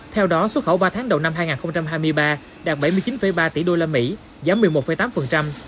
theo đó xuất khẩu ba tháng đầu năm hai nghìn hai mươi ba đạt bảy mươi chín ba tỷ usd giảm một mươi một tám